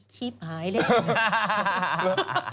ขี้บหายแล้ว